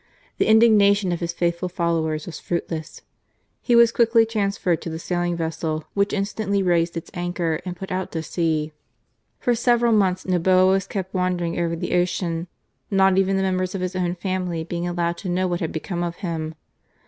The indignation of his faithful followers was fruitless. He was quickly transferred to the sailing vessel, which instantly raised its anchor and put out to sea. For several months Noboa was kept wandering over the ocean, not even the members of his own family being allowed to know what had become of him.